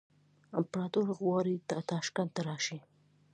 امپراطور غواړي ته تاشکند ته راشې.